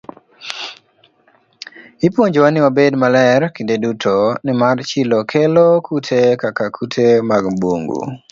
Ipuonjowa ni wabed maler kinde duto, nimar chilo kelo kute kaka kute mag bungu.